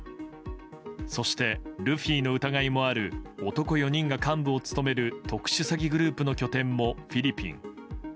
そしてルフィの疑いもある男４人が幹部を務める特殊詐欺グループの拠点もフィリピン。